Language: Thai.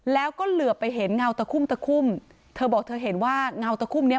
แล้วก็เหลือไปเห็นเงาตะคุ่มตะคุ่มเธอบอกเธอเห็นว่าเงาตะคุ่มเนี้ย